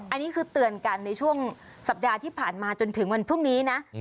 อันนี้คือเตือนกันในช่วงสัปดาห์ที่ผ่านมาจนถึงวันพรุ่งนี้นะ